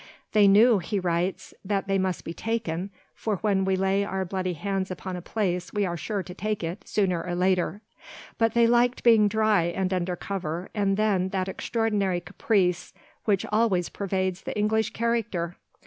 "They knew," he writes, "that they must be taken, for when we lay our bloody hands upon a place we are sure to take it, sooner or later; but they liked being dry and under cover, and then that extraordinary caprice which always pervades the English character!